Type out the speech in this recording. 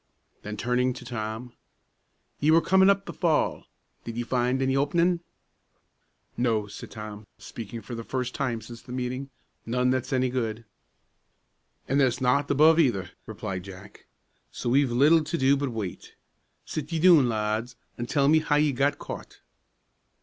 Then, turning to Tom, "Ye were comin' up the fall; did ye find any openin'?" "No," said Tom, speaking for the first time since the meeting; "none that's any good." "An' there's naught above, either," replied Jack; "so we've little to do but wait. Sit ye doon, lads, an' tell me how ye got caught."